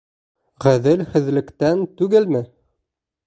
Ғәҙелһеҙлектән түгелме?